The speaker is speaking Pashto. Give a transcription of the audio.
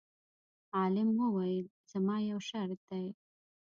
عالم وویل: زما یو شرط دی.